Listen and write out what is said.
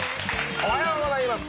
おはようございます。